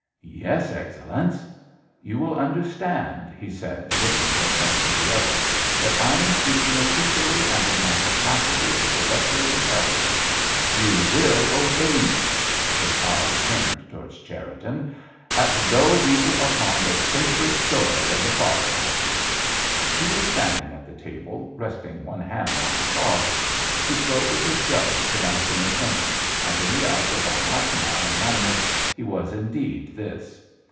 "Yes, Excellenz." "You will understand," he said, looking from one to the other, "that I am speaking officially and in my capacity as director of intelligence. You will obey me"—his eyes turned towards Cherriton—"as though we were upon the sacred soil of the Fatherland!" He was standing at the table, resting one hand on the cloth. He spoke as a judge pronouncing a sentence, and in the eyes of von Rathenau and Manwitz he was, indeed, this.